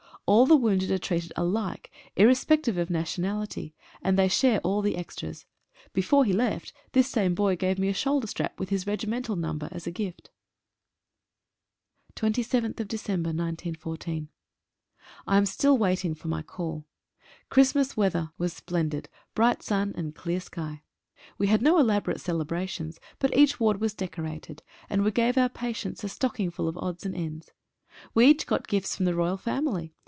All the wounded are treated alike, irrespec tive of nationality, and they share all the extras. Before he left this same boy gave me a shoulder strap with his regimental number as a gift. H «• 27/12/14. JAM still waiting my call. Christmas weather was splendid — bright sun and clear sky. We had no elaborate celebrations, but each ward was deco rated, and we gave our patients a stocking full of odds and ends. We each got gifts from the Royal family.